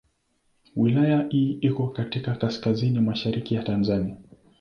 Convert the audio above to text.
Wilaya hii iko katika kaskazini mashariki ya Tanzania.